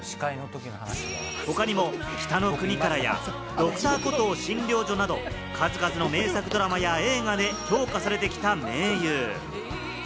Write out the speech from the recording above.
他にも『北の国から』や、『Ｄｒ．コトー診療所』など、数々の名作ドラマや映画で評価されてきた名優。